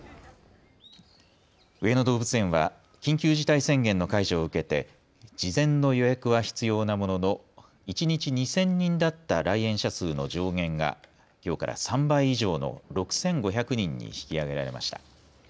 上野動物園は緊急事態宣言の解除を受けて事前の予約は必要なものの一日２０００人だった来園者数の上限がきょうから３倍以上の６５００人に引き上げられました。